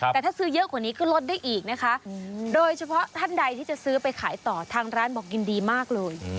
แต่ถ้าซื้อเยอะกว่านี้ก็ลดได้อีกนะคะโดยเฉพาะท่านใดที่จะซื้อไปขายต่อทางร้านบอกยินดีมากเลย